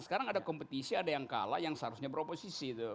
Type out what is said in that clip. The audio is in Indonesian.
sekarang ada kompetisi ada yang kalah yang seharusnya beroposisi tuh